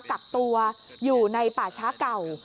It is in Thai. กักตัวอยู่ในป่าช้าเก่า